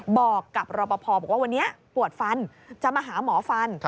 บอกกับรอปภบอกว่าวันนี้ปวดฟันจะมาหาหมอฟัน